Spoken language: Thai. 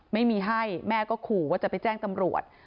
ไม่มีให้แม่ก็ขู่ว่าจะไปแจ้งตำรวจ